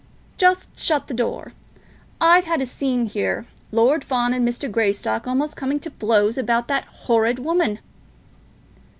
"Just shut the door. I've had such a scene here; Lord Fawn and Mr. Greystock almost coming to blows about that horrid woman."